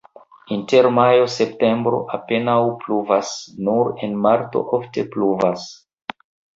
Inter majo-septembro apenaŭ pluvas, nur en marto ofte pluvas.